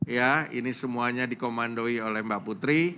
ya ini semuanya dikomandoi oleh mbak putri